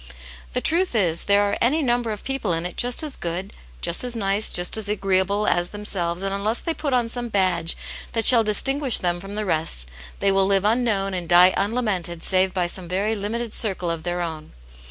The truth is, there are any number of people in it just as good just as nice, just as agreeable as themselves and unless they put on some badge that shall distinguish them from the rest, they will live unknown and die unlamented save by some very limited circle of their own.